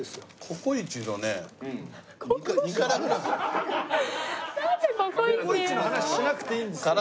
ココイチの話しなくていいんですよ。